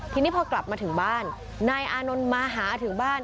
ทีนี้พอกลับมาถึงบ้านนายอานนท์มาหาถึงบ้าน